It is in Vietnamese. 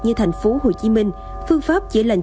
như thành phố hồ chí minh phương pháp chữa lành